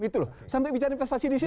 gitu loh sampai bicara investasi di sini